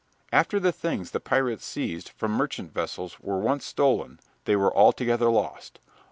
After the things the pirates seized from merchant vessels were once stolen they were altogether lost.